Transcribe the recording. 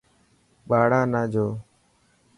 ٻاڙا نا جو.